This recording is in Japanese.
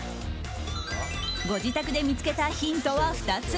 ご自宅で見つけたヒントは２つ。